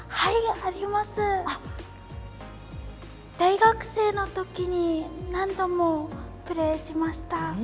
大学生のときに何度もプレーしました。